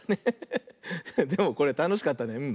でもこれたのしかったね。